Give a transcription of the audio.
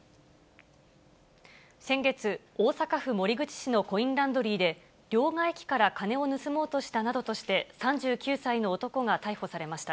先月、大阪府守口市のコインランドリーで、両替機から金を盗もうとしたなどとして、３９歳の男が逮捕されました。